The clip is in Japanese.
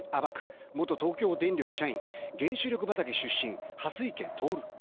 元東京電力社員、原子力畑出身、はすいけ透。